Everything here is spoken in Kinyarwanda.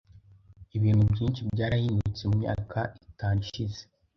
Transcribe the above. Ibintu byinshi byarahindutse mumyaka itanu ishize.